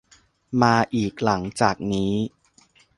มาอีกหลังจากนี้